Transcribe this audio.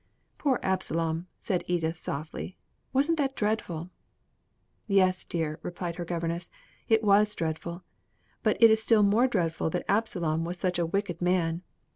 '" "Poor Absalom!" said Edith, softly. "Wasn't that dreadful?" "Yes, dear," replied her governess, "it was dreadful; but it is still more dreadful that Absalom was such a wicked man.